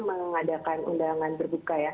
mengadakan undangan berbuka ya